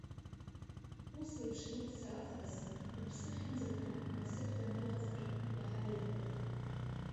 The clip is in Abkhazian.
Усеиԥш дуццар аҵкыс, уԥсы ахьынӡаҭоу унасыԥданы уҟазар иаҳа еиӷьуп.